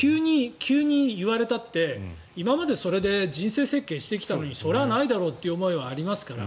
急に言われたって今までそれで人生設計してきたのにそれはないだろという思いはありますから。